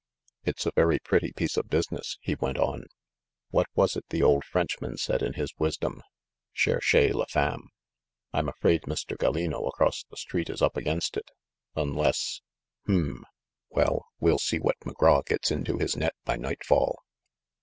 "It's a very pretty piece of business," he went on. "What was it the old Frenchman said in his wisdom, — Cherchez la femme? I'm afraid Mr. Gallino across the street is up against it; unless — hum — well, we'll see what McGraw gets into his net by nightfall."